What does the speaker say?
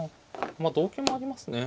まあ同金もありますね。